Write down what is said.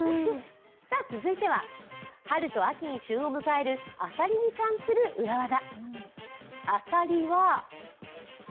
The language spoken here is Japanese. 続いては春と秋に旬を迎えるあさりに関する裏技。